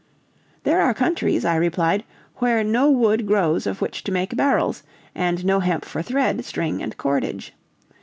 "There are countries," I replied, "where no wood grows of which to make barrels, and no hemp for thread, string, and cordage.